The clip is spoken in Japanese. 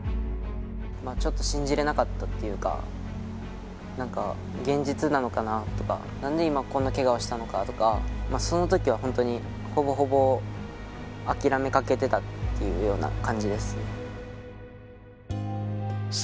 ちょっと信じれなかったっていうか、なんか、現実なのかなとか、なんで今、こんなけがをしたのかとか、そのときは本当に、ほぼほぼ諦めかけてたっていうような感じです。